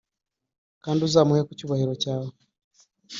kandi uzamuhe ku cyubahiro cyawe